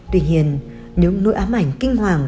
tuy nhiên những nỗi ám ảnh kinh hoàng